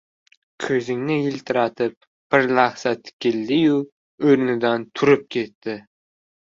Ko‘zoynagini yiltiratib bir lahza tikildi-yu o‘rnidan turib ketdi.